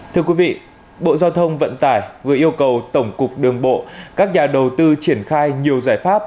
thưa quý vị bộ giao thông vận tải vừa yêu cầu tổng cục đường bộ các nhà đầu tư triển khai nhiều giải pháp